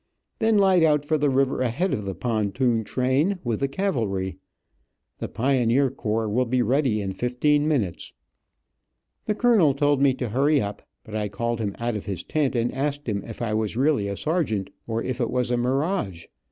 Then light out for the river ahead of the pontoon train, with the cavalry. The pioneer corps will be ready in fifteen minutes." The colonel told me to hurry up, but I called him out of his tent and asked him if I was really a sergeant, or if it was a mirage.